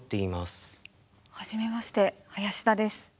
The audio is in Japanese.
初めまして林田です。